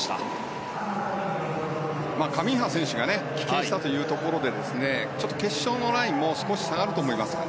カミンハ選手が棄権したということで決勝のラインも少し下がると思います。